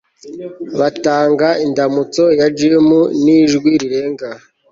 Batanga indamutso ya gim nijwi rirenga